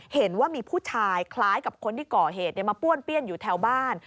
เห็นว่ามีผู้ชายคล้ายกับคนที่ก่อเหตุมาป้วนเปี้ยนอยู่แถวบ้าน